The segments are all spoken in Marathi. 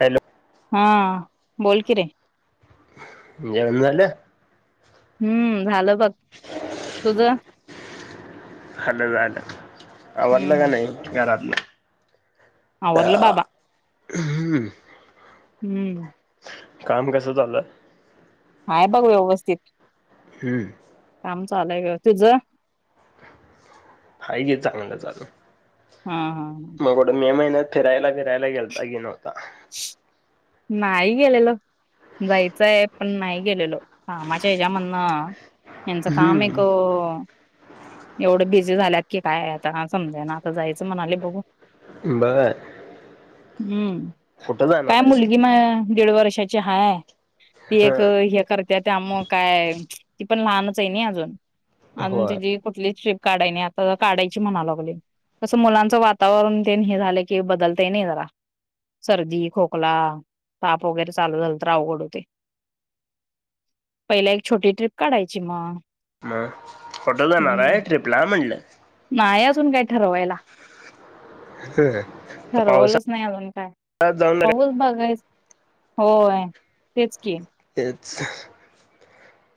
हॅलो हा, बोल कि रे. जेवण झालं? हम्म, झालं बघ. तुझं? खाल्लं झालं आवरलं का हम्म नाही घरातलं? आवरलं बाबा. हम्म्. हम्म. काम कसं झालं? हाय बघ, व्यवस्थित् हम्म. काम चालू आहे गं. तुझं? पाहीजे चांगलं चालू. हा हा हा. मग कुठं मे महिन्यात फिरायला बिरायला गेलता की नव्हता? नाही गेलेलो. जायचंय, पण नाही गेलेलो. कामाच्या हच्यामधनं ह्यांचं काम हम्म एकं एवढं बिझी झाल्यात की काय, आता समजेना. आता जायचं म्हणाले बघू बरं. हम्म, जाणार काय आहेसा? मुलगी म दीड वर्षा ची हाय. ती एक हं. हे कर त्या, त्या म काय? ती पण लहानच आहे ना अजून, अजून होय. तिजी कुठलीच ट्रिप काढाय नाही, आता काढायची म्हणा लागलोय. कसं मुलांचं वातावरण तेन हे झालं की बदलतंये नाही जरा. सर्दी, खोकला, ताप वगैरे चालू झालं तर अवघड होतंय. पहिला एक, छोटी ट्रीप काढायची मग. मग कुठं जाणार हम्म आहे ट्रिपला म्हटलं? नाही, अजून काय ठरवायला. हं. ठरवलंच पावसाळ्यात नाही अजून काय? जाऊन पाऊस बघायचं होय, तेच की. तेच.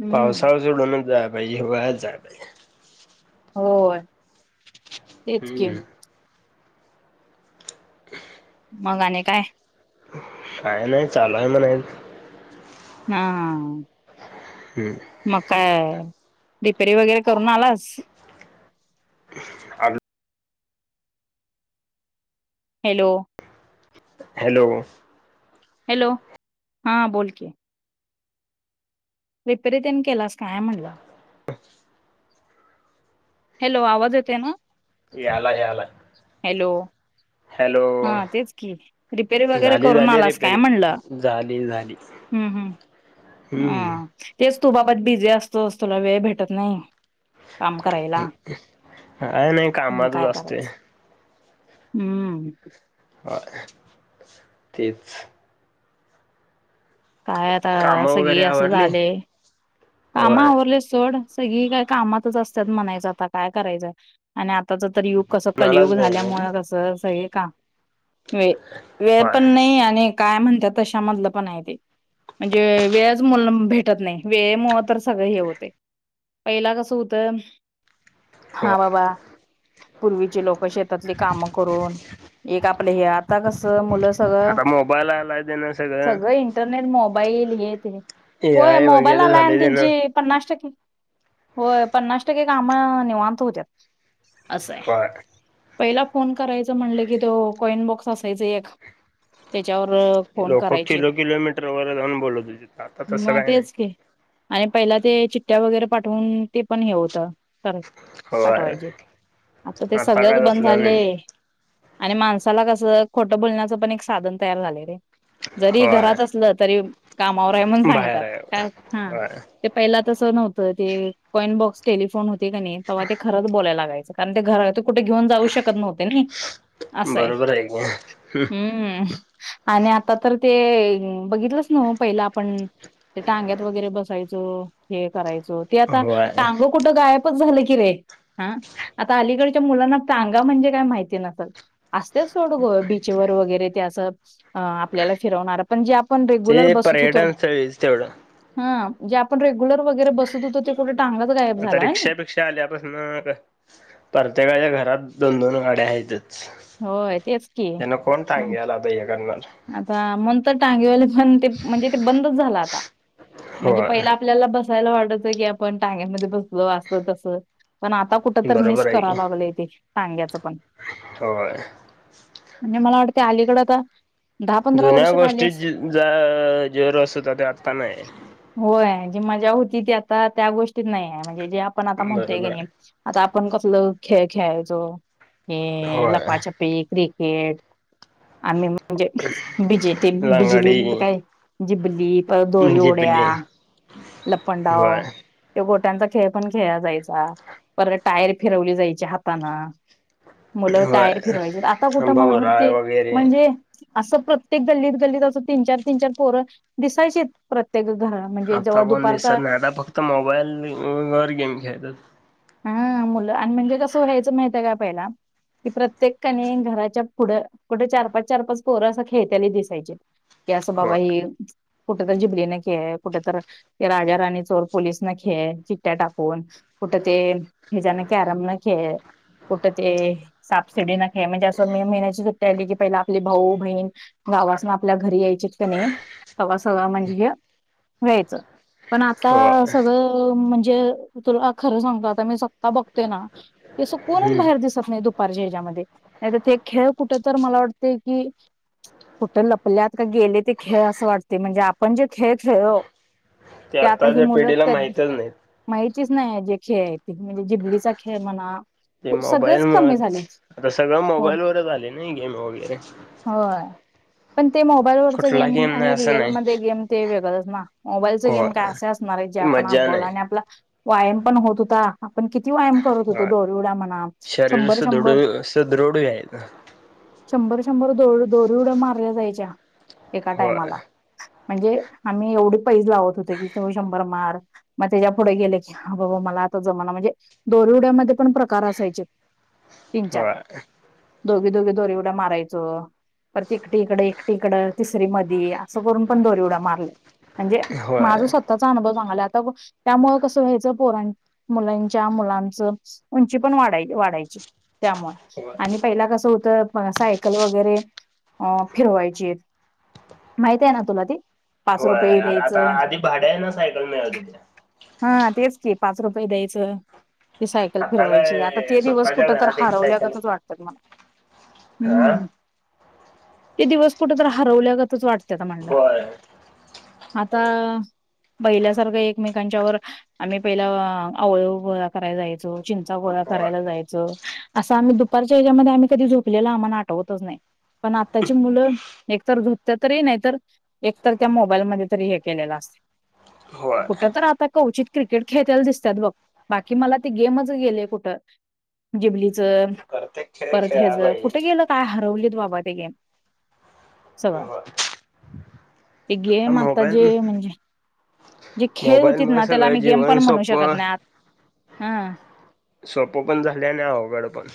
हम्म पावसाळा सोडूनच जाया पाहिजे, हिवाळ्यात जाया पाहिजे. होय, तेच की. हम्म. [unintelligible] मंग आणि काय? काय नाही चालूय म्हणायच हम हम्म.. मग काय रिपेरी वगैरे करून आलास? आलो. हॅलो! हॅलो! हॅलो! हा बोल की. रिपेरी तेन केलास काय म्हणल? [inaudible] हॅलो! आवाज येतोय ना? यालाय यालाय.. हॅलो! हॅलो! हा तेच की रिपेरी वगैरे झाली करून झाली आलास काय रिपेरी म्हणलं? झाली झाली. हम्म हम्म हम्म ह तेच तू बाबत बिझी असतोस तुला वेळ भेटत नाही. काम करायला, काय नाही मग कामातच काय असतोय करायचं हम्म.. होय तेच काय आता काम वगैरे सगळी असं आवरली झालय, काम होय आवरलेत सोड. सगळी काय कामातच असत्यात म्हणायचं आता काय करायचंय आणि आताच तर यु कसं मलाच कलयुग वेळ नाही झाल्यामुळ कसं अस हे का वे वेळ होय पण नाही आणि काय म्हणतात तशामधल पण आहे ते म्हणजे वेळच मु भेटत नाही वेळेमुळ तर सगळ हे होतय पहिला कस होत होय हा बाबा पूर्वीची लोकं शेतातली कामं करून एक आपलं हे आता कस मुलं सगळं आता मोबाईल सगळं इंटरनेट मोबाईल हे ते ए होय आय मोबाईल वगैरे आलाय झालय अन् त्यानं पन्नास टक्के होय पन्नास टक्के काम निवांत होत्यात. असंय होय पहिला फोन करायचं म्हणल की तो कॉइन बॉक्स असायच एक त्याच्यावर फोन लोकं करायचे किलो किलो मीटरवर जाऊन बोलत हुतीत आता तसं मग काय नाही. तेच की आणि पहिला ते चिट्टया वगैरे पाठवून ते पण हे होतं. [unintelligible] होय पाठवायचे आता ते सगळच काय बंद तसलं नाही झालय आणि माणसाला कसं खोटं बोलण्याचं पण एक साधन तयार झालय रे जरी होय घरात असलं तरी कामावर आहे म्हणून बाहेर सांगतात आहे काय हा होय ते पहिला तसं नव्हतं ते कॉइन बॉक्स टेलिफोन होते कणी नाही तेव्हा ते खरंच बोलाय लागायचं. कारण ते घरा ते कुठे घेऊन जाऊ शकत नव्हते नाही असंय. बरोबर आहे की हम् आणि आता तर ते बघितलंच नव्ह पहिला आपण ते टांग्यात वगैरे बसायचो हे करायचो ते आता होय टांग कुठं गायबच झालं की रे हा आता अलीकडच्या मुलांना टांगा म्हणजे काय माहिती नसल. असतेच सोड गो बीचवर वगैरे ते असं आपल्याला फिरवणार पण जे आपण रेग्युलर ते बसत होतो पर्यटन स्थळीच तेवढं हा जे आपण रेग्युलर वगैरे बसत होतो ते कुठ टांगाच गायब आता झाला आणि रिक्षापिक्क्षा आल्यापासन प्रत्येकाच्या घरात दोन दोन गाड्या आहेतच. होय तेच की त्यांन कोण म्हण- टांग्याला ह्य करणार आता म्हणून तर टांगेवाले पण ते म्हणजे ते बंदच झालं आता म्हणजे होय पहिला आपल्याला बसायला वाटायच की आपण टांग्यांमध्ये बसलो अस तस पण आता कुठ तर बरोबर मिस आहे की करा लागलोय ते टांग्याचं पण होय. आणि मला वाटते अलीकड तर जुन्या गोष्टीत जे अ जे रस होता ते आत्ता नाही. होय, जी मज्जा होती ती आता त्या गोष्टीत नाही आहे म्हणजे जे आपण आता म्हणतोय बरोबर का नाई आहे. आता आपण कसलं खेळ खेळायचो हे होय लपा-छापी क्रिकेट आम्ही म्हणजे बिजेती लंगडी बिजली काय जिबली परत दोरी ओढ्या झिपली लपंडाव होय ते गोट्यांचा खेळ पण खेळा जायचा परत टायर फिरवली जायची हातानं मुलं होय. टायर फिरवायचे आता कुठं मला भवरा वाटते वगैरे म्हणजे असं प्रत्येक गल्लीत गल्लीत असं तीन चार तीन चार पोरं दिसायची. प्रत्येक घरात आता कोण दिसत नाय ना फक्त मोबाईल वर गेम खेळत्यात. हा मुलं आणि म्हणजे कसं व्हायचं माहितीये काय पहिला कि प्रत्येकानी घराच्या पुढं कुठे चार पाच चार पाच पोरं असं खेळत्याली दिसायची. की असं बाबा होय हे कुठ तर जिबली न खेळ ये कुठ तर ते राजा राणी चोर पोलीस न खेळ ये चिट्ट्या टाकून कुठं ते ह्याच्यान कॅरम न खेळये कुठं ते सापसिडीन खेळ म्हणजे असं मे महिन्याची सुट्टी आली की पहिला आपली भाऊ बहीण गावासन आपल्या घरी यायचीत का नी तवा सगळं म्हणजे हे व्हायचं. पण आता होय सगळं म्हणजे तुला खरं सांगू का आता मी स्वतः बघतोय ना कोणच बाहेर हम्म दिसत नाही. पंजे ह्याच्यामध्ये नाही तर ते खेळ कुठ तर मला वाटतय की कुठं लपल्यात का गेले ते खेळ असं वाटते म्हणजे आपण जे खेळ खेळलो ते आता ही आताच्या मुलं पिढीला कर माहितच नाही. माहितीच नाही जे खेळ आहे ते म्हणजे जिबलीचा खेळ म्हणा ते मोबाईल सगळेच कमी झालेत आता सगळं हो मोबाईल वरच आलय नाय गेम वगैरे होय. पण ते मोबाईलवरच कुठला गेम नाही आणि असं नाही रिअलमध्ये गेम ते वेगळच ना मोबाईलच हो गेम काय असे असणार आहे जे ती आपण मज्जा अनुभवलं नाही आणि आपला व्यायाम पण होत होता आपण किती व्यायाम करत होतो हो दोरऊड्या म्हणा शरीर शंभर शंभर सुदृढ सुदृढी आहेत. शंभर शंभर दो दोरी उड्या मारल्या जायच्या एका होय टायमाला म्हणजे आम्ही एवढी पैज लावत होतो की तू शंभर मार मग त्याच्या पुुढ गेले की हा बाबा मला आता जमना म्हणजे दोरऊड्यामध्ये पण प्रकार असायचे. तीन चार दोघी दोघी दोरी उड्या मारायच. परत एकटी इकडं एकटी इकडं तिसरी मधी असं करून पण दोरी उड्या मारल्या. म्हणजे होय माझा स्वतःचा अनुभव सांगाला आता त्यामुळं कसं व्हायचं पोरा मुलांच्या मुलांचं उंची पण वाढाय वाढाय ची त्यामुळं होय आणि पहिला कस होत बघा सायकल वगैरे अ फिरवायची माहित आहे ना तुला ते होय आता आधी भाड्यान सायकल मिळत होत्या. हा तेच की पाच रुपये द्यायचं ती सायकल आता फिरवायची आता काय ते दिवस स्वतःच्या कुठ तर घरात एक सायकल हरवल्यागतच वाटत्यात मला हा हम्म. ते दिवस कुठे तर हरवल्यागतच वाटत्यात म्हणलं. होय आता पहील्यासारखं एकमेकांच्यावर आम्ही पहिला आवळ गोळा कराय जायचो, चिंचा गोळा होय करायला जायचो. च असं आम्ही दुपारच्या हेज्यामध्ये आम्ही कधी झोपलेल आम्हाला आठवतच नाही. पण आत्ताची मुलं एकतर झोपतात तरी नाही तर एक तर त्या मोबाईलमध्ये तरी हे केलेलं असतंय. होय कुठं तर आता कवचित क्रिकेट खेळत्याल दिसत्यात बघ. बाकी मला ते गेमच गेलय कुठं जिबलीचं प्रत्येक खेळ परत हेज खेळायला पाहिजे कुठे ना गेलं? काय हरवलीत बाबा ते गेम सगळ होय ते आता गेम आत्ता जे मोबाईल म्हणजे जे खेळ मोबाईल होतीत मुळे ना त्याला सगळं आम्ही गेम पण जीवन म्हणू शकत सोपं नाही आत हां सोपं पण झालय आणि अवघड पण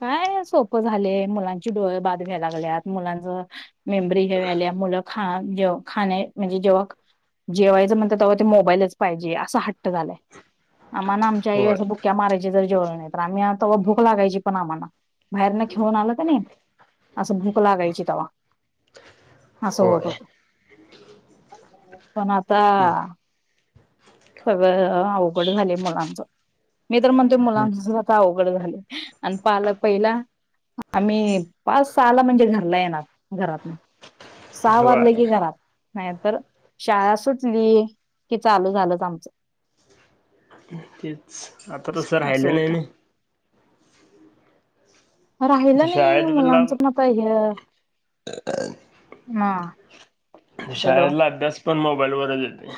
काय सोपं झालय मुलांची डोळ बाद व्हाय लागल्यात मुलांच मेमरी हे व्हायला मुलं खा जेव खाने म्हणजे जेव्हा जेवायच म्हणत्यात तेव्हा ते मोबाईलच पाहिजे असा हट्ट झालाय. आम्हाना आम आमची आई होय अस बुक्या मारयची तरी जेवल नाही तर आम् तवा भूक लागायची. पण आम्हाना बाहेरन खेळून आलं कणी असं भूक लागायची तवा. असं होत होय. होतं, पण आता सगळं अवघड झालय मुलाचं. मी तर म्हणतोय मुलांच आता अवघडच झालंय. आणि पाल पहिला आम्ही पाच सहाला म्हणजे घरला येणार, घरातन सहा वाजलं होय की घरात, नाही तर शाळा सुटली की चालू झालंच आमचं. तेच आता तसं असं राहिलं नाही होत ना? आता राहिलं नाही शाळेतला मुलांचं पण आता हे हां शाळेतला अभ्यास पण मोबाईलवरच येतोय.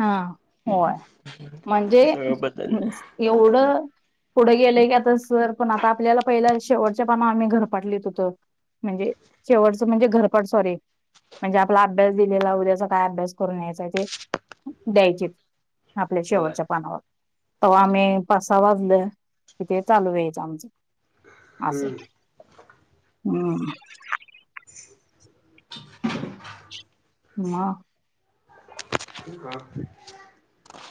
हां होय म्हणजे सगळं बदललंय. एवढं पुढे गेलंय की आता सर पण आता आपल्याला पहिल्या शेवटच्या पानावर आम्ही गृहपाठ लिहित होतो. म्हणजे शेवटचं म्हणजे घरपाठ सॉरी म्हणजे आपला अभ्यास दिलेला उद्याचा काय अभ्यास करून यायचा ते द्यायचीत. आपल्या होय शेवटच्या पानावर. तवा आम्ही पाच-सहा वाजल की ते चालू व्हायचं आमचं. अस हम्म हम्म. मग? [inaudible]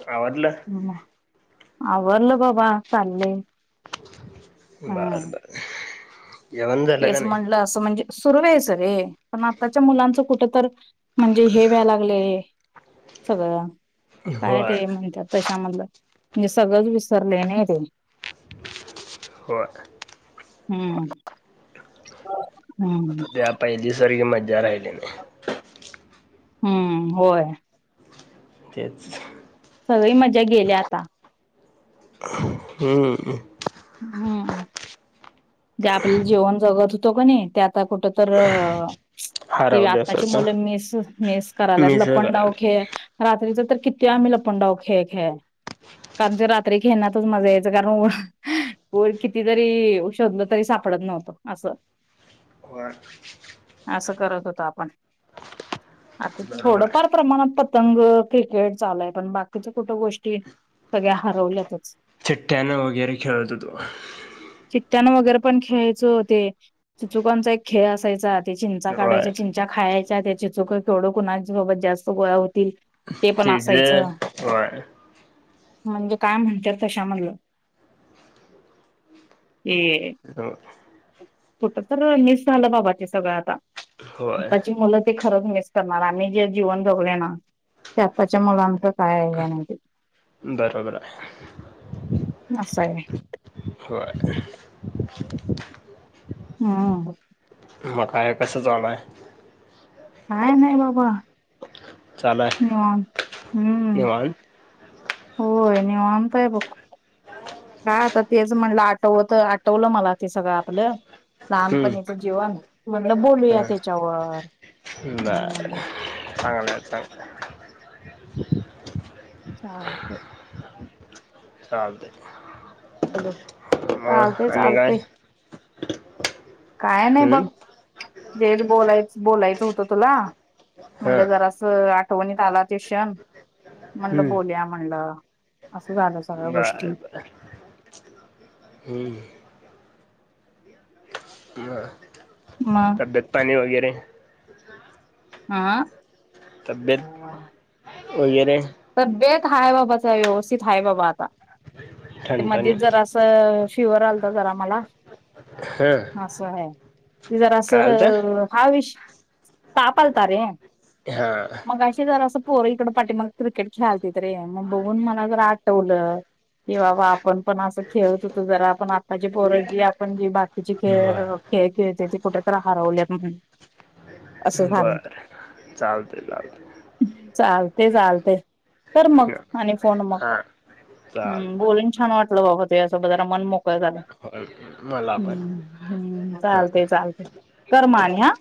आवरलं? हां आवरलं बाबा चाललंय बर हम्म. बर जेवण झालं का तेच नाही? म्हणलं असं म्हणजे सुरू राहायचं रे पण आत्ताच्या मुलांचं कुठ तर म्हणजे हे व्हाय लागलंय. सगळं काय होय ते म्हणतात तशामधलं म्हणजे सगळंच विसरलंय नाही ते [inaudible] हम हम. हम काय पहिली सारखी मज्जा राहिलेली नाही त्यात हम होय तेच सगळी मज्जा गेल्या आता हम हम जे आपण जीवन जगत होतो कणी ते आता कुठ तर अ ते आत्ताची हरवल्यासारखं मुलं मिस मिस कराल्यात मिसळ लपंडाव करायलोय. खेळ रात्रीच तर किती आम्ही लपंडाव खेळ खेळायचो कारण ते रात्री खेळण्यातच मज्जा यायच कारण कितीतरी शोधलं तरी सापडत नव्हतं असं व्हय असं करत होतो आपण [inaudible] आता बरोबर आहे. थोडंफार प्रमाणात पतंग, क्रिकेट चालूय पण बाकीच्या कुठ गोष्टी सगळ्या हरवल्यातचं चिट्ट्यान वगैरे खेळत होतो. चिठ्ठ्यानं वगैरे पण खेळायचो ते चिचुकांचा एक खेळ असायचा, ते चिंचा होय. काढायच्या चिंचा खायच्या ते चिचुक केवढ कुणाचं बाबा जास्त गोळा होतील ते पण तिज असायचं. होय. म्हणजे काय म्हणते तशा म्हणलं ये [inaudible] हॅलो कुठं तर मिस झालं बाबा ते सगळ आता. होय आत्ताची मुलं ती खरंच मिस करणार आम्ही जे जीवन जगलोय ना ते आत्ताच्या मुलांच काय हे नाय की बरोबर हाय अस हाय व्हय होय. [inaudible] हम म काय कसं चालु हाय काय नाही बाबा चालू आहे निवांत हम. निवांत होय निवांत हाय बघ. काय आता तेच म्हणलं आठवत आठवलं मला ते सगळं आपलं. लहान हम्म पणीच जिवन म्हणलं हा बोलूया त्याच्यावर हम. बरं चालतंय [inaudible] चालतय. चालतय हॅलो चालतंय मग आणि काय? चालतंय काय नाही बघ हम्म हेच बोलायच बोलायचं होतं तुला. हा म्हणलं जरासं आठवणीत आला तो क्षण म्हणलं हम्म बोलुया म्हणलं असं झालं सगळ्या बर गोष्टी. हम मग तब्येत पाणी वगैरे आं तब्येत वगैरे तब्येत हाय बाबाचा व्यवस्थित हाय बाबा आता ते मध्येचं ठणठणीत जरासं फिवर आलता जरा मला हा आसं हाय काय आलतं जरासं हा विश ताप आलता रे. हा. मगाशी जरा असं पोरं इकडं पाठी माग क्रिकेट खेळालतीत रे मग बघून मला जरा आठवलं. कि बाबा आपण पण असं खेळत होतो जरा आपण आत्ताची पोर जी आपण जी बाकीची बर खेळ खेळ खेळ त्यात ते कुठे तर हारवल्यात म्ह बर चालतय चालतय. चालतय चालतय. कर मग आणि फोन मग हा हम्म चालतंय बोलून छान वाटलं बाबा तुज्यासोबत जरा मन मोक ळं झालं मला पण हम्म हम्म हा चालते चालते कर मं आणि हा.